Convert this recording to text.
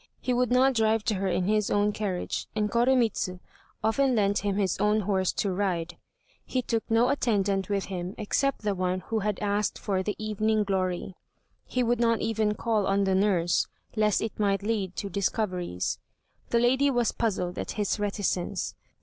He would not drive to her in his own carriage, and Koremitz often lent him his own horse to ride. He took no attendant with him except the one who had asked for the "Evening Glory." He would not even call on the nurse, lest it might lead to discoveries. The lady was puzzled at his reticence.